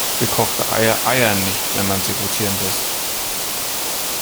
Gekochte Eier eiern nicht, wenn man sie rotieren lässt.